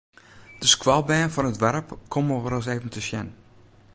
De skoalbern fan it doarp komme wolris even te sjen.